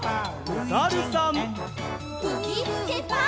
おさるさん。